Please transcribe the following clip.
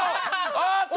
あっと！